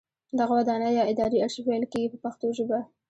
دغه ودانۍ یا ادارې ارشیف ویل کیږي په پښتو ژبه.